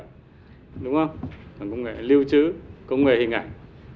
đúng không cần công nghệ lưu trữ công nghệ hình ảnh